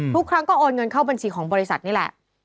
ทุกครั้งก็โอนเงินเข้าบัญชีของบริษัทนี่แหละ